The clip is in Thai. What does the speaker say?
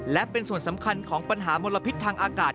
และเป็นส่วนสำคัญของปัญหามลพิษทางอากาศ